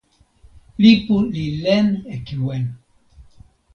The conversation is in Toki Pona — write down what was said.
lipu li len e kiwen.